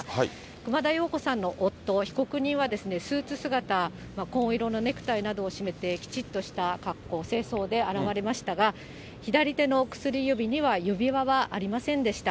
熊田曜子さんの夫、被告人は、スーツ姿、紺色のネクタイなどを締めてきちっとした格好、正装で現れましたが、左手の薬指には指輪はありませんでした。